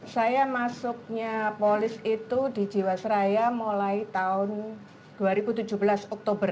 saya masuknya polis itu di jiwasraya mulai tahun dua ribu tujuh belas oktober